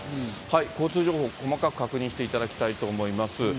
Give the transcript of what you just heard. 交通情報細かく確認していただきたいと思います。